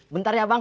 bentar ya bang